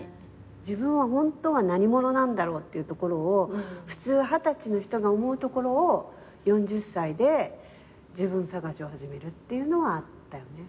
自分はホントは何者なんだろうっていうところを普通二十歳の人が思うところを４０歳で自分探しを始めるっていうのはあったよね。